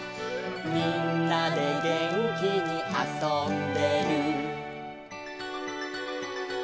「みんなでげんきにあそんでる」